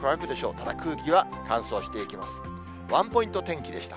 ただ空気は乾燥していきます。